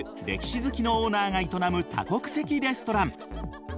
歴史好きのオーナーが営む多国籍レストラン。